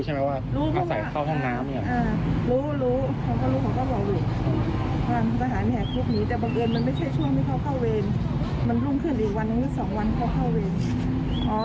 มันรุ่นขึ้นอีกวันหรือ๒วันเขาเข้าเวร